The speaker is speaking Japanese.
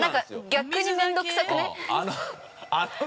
逆に面倒くさくない？